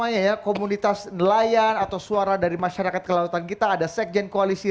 dan yang mewakili komunitas nelayan atau suara dari masyarakat kelautan kita ada sekjen koalisi